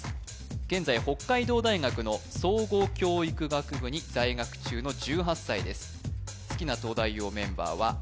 現在北海道大学の総合教育学部に在学中の１８歳です